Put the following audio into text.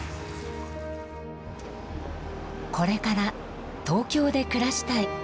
これから東京で暮らしたい。